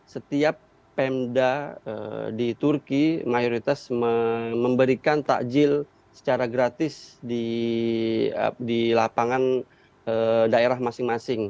setiap pemda di turki mayoritas memberikan takjil secara gratis di lapangan daerah masing masing